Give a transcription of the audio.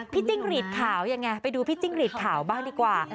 จิ้งหรีดขาวยังไงไปดูพี่จิ้งหลีดขาวบ้างดีกว่า